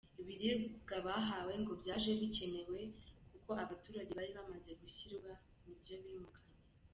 Ibiribwa bahawe ngo byaje bikene we kuko abaturage bari bamaze gushirirwa n’ibyo bimukanye.